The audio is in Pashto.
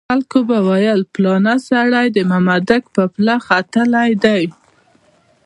خلکو به ویل پلانی سړی د مامدک پر پله ختلی دی.